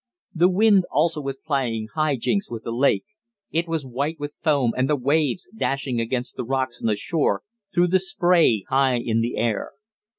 The wind also was playing high jinks with the lake; it was white with foam, and the waves, dashing against the rocks on the shore, threw the spray high in the air.